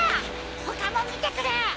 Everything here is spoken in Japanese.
ほかもみてくる！